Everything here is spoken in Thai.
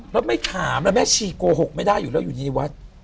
แล้วไม่ถามแล้วแม่ชีโกหกไม่ได้อยู่แล้วอยู่ในวัด